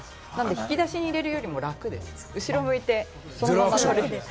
引き出しに入れるよりも楽です。